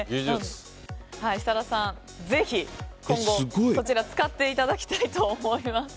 設楽さん、ぜひ今後そちら使っていただきたいと思います。